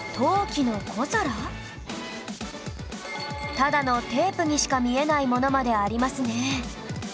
ただのテープにしか見えないものまでありますね